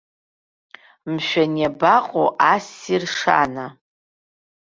Мшәан, иабаҟоу ассир шана?